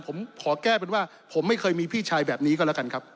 ผมขอแก้เป็นว่าผมไม่เคยมีพี่ชายแบบนี้ก็แล้วกันครับ